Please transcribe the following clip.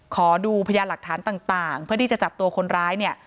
ขอดูพยานหลักฐานต่างเพื่อที่จะจับตัวคนร้ายเนี่ย